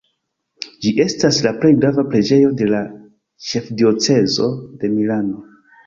Ĝi estas la plej grava preĝejo de la ĉefdiocezo de Milano.